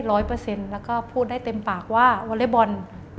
แล้วก็พูดได้เต็มปากว่าวอเล็กบอล